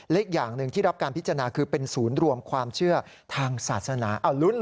อีกอย่างหนึ่งที่รับการพิจารณาคือเป็นศูนย์รวมความเชื่อทางศาสนา